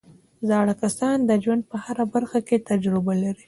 زاړه کسان د ژوند په هره برخه کې تجربه لري